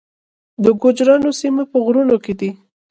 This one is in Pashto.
د ګوجرانو سیمې په غرونو کې دي